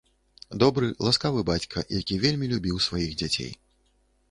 Добры, ласкавы, бацька, які вельмі любіў сваіх дзяцей.